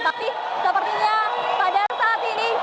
tapi sepertinya pada saat ini